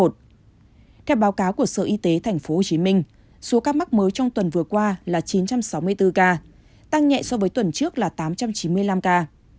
theo báo cáo của sở y tế thành phố hồ chí minh số ca mắc mới trong tuần vừa qua là chín trăm sáu mươi bốn ca tăng nhẹ so với tuần trước là tám trăm chín mươi năm ca